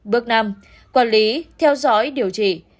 bước năm quản lý theo dõi điều trị